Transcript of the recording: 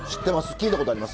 聞いたことあります？